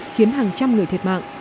khiến hàng trăm người thiệt mạng